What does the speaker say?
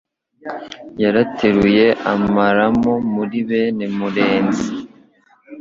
Yaruteye amaramu Muri bene Murenzi